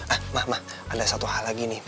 eh ma ma ada satu hal lagi nih